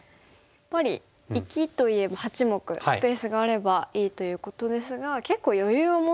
やっぱり生きといえば８目スペースがあればいいということですが結構余裕を持ってありそうですね。